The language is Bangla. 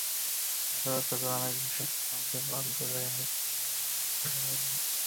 আদালত সূত্রে জানা গেছে, রূপগঞ্জের আবদুর রহিমের স্ত্রী জামিলা বেগম গৃহকর্মীর কাজ করতেন।